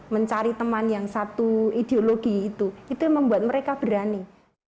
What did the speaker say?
mencari teman yang satu ideologi itu itu yang membuat mereka berani